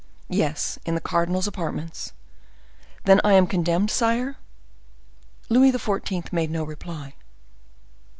"Yes, in the cardinal's apartments." "Then I am condemned, sire?" Louis XIV. made no reply.